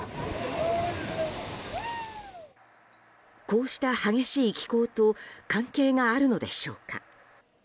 こうした激しい気候と関係があるのでしょうか。